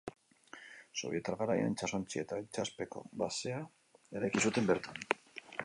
Sobietar garaian, itsasontzi eta itsaspeko basea eraiki zuten bertan.